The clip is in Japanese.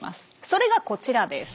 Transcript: それがこちらです。